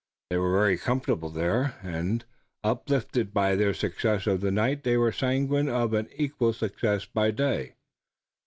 They were very comfortable there, and, uplifted by their success of the night they were sanguine of an equal success by day.